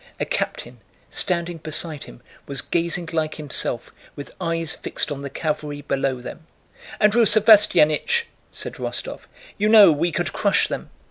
A captain, standing beside him, was gazing like himself with eyes fixed on the cavalry below them. "Andrew Sevastyánych!" said Rostóv. "You know, we could crush them...."